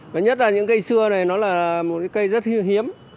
thứ nhất là những cây xưa này nó là một cái cây rất hiếm